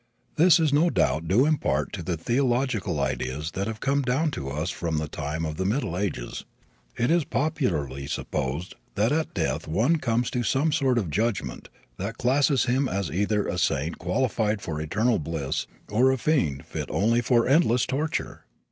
This is no doubt due in part to the theological ideas that have come down to us from the time of the Middle Ages. It is popularly supposed that at death one comes to some sort of a judgment that classes him as either a saint qualified for eternal bliss or a fiend fit only for endless torture!